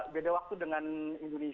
beda waktu dengan indonesia